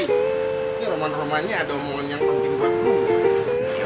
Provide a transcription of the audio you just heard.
ini roman roman nya ada omongan yang penting buat lo